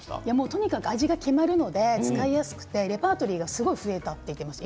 とにかく味が決まるので使いやすくてレパートリーがすごく増えたと言ってました。